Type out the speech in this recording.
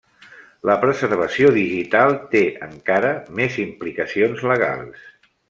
La preservació digital té encara més implicacions legals.